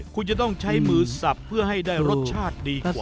คุณจะต้องใช้มือสับเพื่อให้ได้รสชาติดีขึ้น